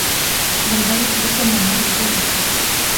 Бында бит бөтә нәмә өйҙәгесә.